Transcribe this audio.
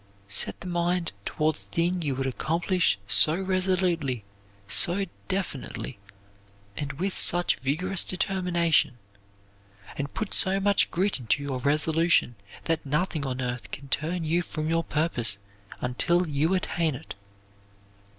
Set the mind toward the thing you would accomplish so resolutely, so definitely, and with such vigorous determination, and put so much grit into your resolution, that nothing on earth can turn you from your purpose until you attain it.